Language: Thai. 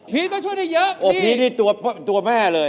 พีทต้องช่วยเยอะนี่โอ้พีทนี่ตัวแม่เลย